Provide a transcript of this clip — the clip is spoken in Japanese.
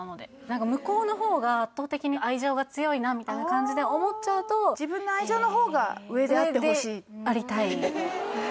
何か向こうの方が圧倒的に愛情が強いなみたいな感じで思っちゃうと上でありたいえ